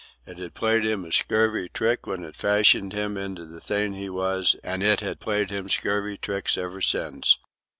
It had played him a scurvy trick when it fashioned him into the thing he was, and it had played him scurvy tricks ever since.